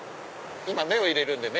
今目を入れるんで。